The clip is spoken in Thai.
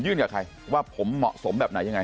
กับใครว่าผมเหมาะสมแบบไหนยังไง